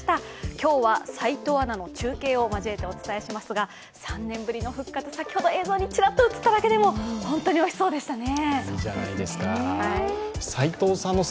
今日は齋藤アナの中継を交えてお伝えしますが先ほど映像にちらっと映っただけでも、本当においしそうでしたね。